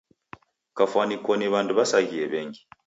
Kafwani koni w'andu w'asaghie w'engi.